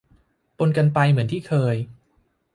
ปนกันไปเหมือนที่เคย